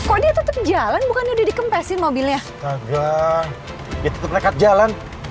udah cuman becription ya